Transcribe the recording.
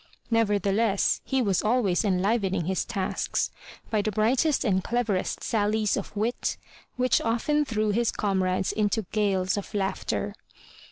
Nevertheless, he was always enlivening his tasks by the brightest and cleverest sallies of wit, which often threw his comrades into gales of laughter.